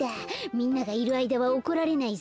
みんながいるあいだは怒られないぞ。